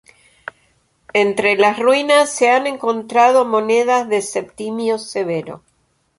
Entre las ruinas se han encontrado monedas de Septimio Severo.